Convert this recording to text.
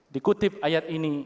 dikutip ayat ini